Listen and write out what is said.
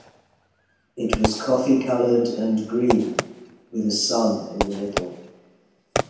It was coffee-coloured and green, with a sun in the middle.